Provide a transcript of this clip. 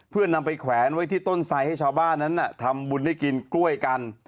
เพื่อนำไปแขวนไว้ที่ต้นไซด์ให้ชาวบ้านนั้นทำบุญได้กินกล้วยกัน